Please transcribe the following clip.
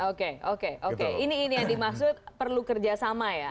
oke oke oke ini yang dimaksud perlu kerjasama ya